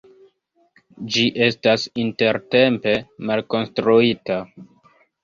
Ĝi estas intertempe malkonstruita.